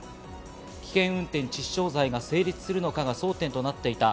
危険運転致死傷罪が成立するのかが争点となっていた